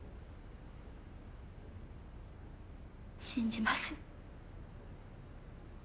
信じます。